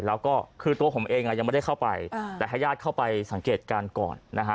แล้วก็คือตัวผมเองยังไม่ได้เข้าไปแต่ให้ญาติเข้าไปสังเกตการณ์ก่อนนะฮะ